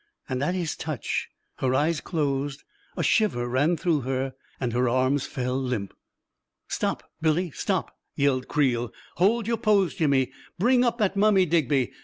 And at his touch, her eyes closed, a shiver ran through her, and her arms fell limp ... 44 Stop, Billy, stop !" yelled Creel. " Hold your pose, Jimmy. Bring up that mummy, Digby